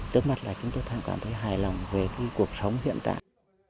trước mắt là chúng tôi cảm thấy hài lòng về cuộc sống hiện tại